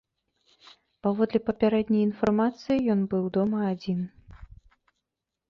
Паводле папярэдняй інфармацыі, ён быў дома адзін.